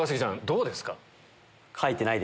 どうですか？